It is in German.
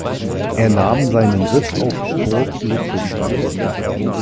Er nahm seinen Sitz auf Burg Lützelstein.